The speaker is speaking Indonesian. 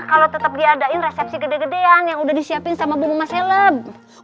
kalau tetep diadain resepsi gede gedean yang udah disiapin sama bu mama seleb